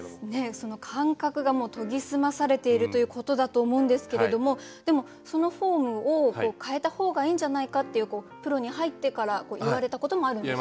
その感覚がもう研ぎ澄まされているということだと思うんですけれどもでもそのフォームを変えた方がいいんじゃないかっていうプロに入ってから言われたこともあるんですよね？